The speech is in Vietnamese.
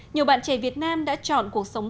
nhìn nhìn là rất nhiều không